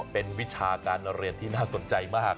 เป็นวิชาการเรียนที่น่าสนใจมาก